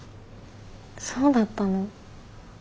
そうだったの？